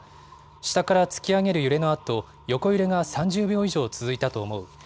下から突き上げる揺れのあと、横揺れが３０秒以上続いたという。